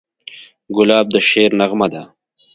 ګلاب د شعر نغمه ده.